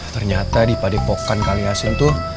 ternyata di pade pokan kaliasin tuh